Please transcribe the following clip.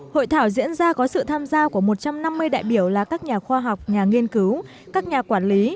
hội thảo diễn ra có sự tham gia của một trăm năm mươi đại biểu là các nhà khoa học nhà nghiên cứu các nhà quản lý